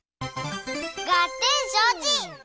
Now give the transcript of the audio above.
がってんしょうち！